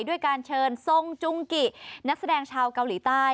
ด้วยการเชิญทรงจุงกินักแสดงชาวเกาหลีใต้